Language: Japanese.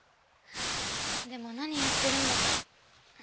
でも何やってるんだか。